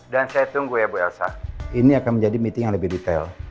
dan saya tunggu ya bu elsa ini akan menjadi meeting yang lebih detail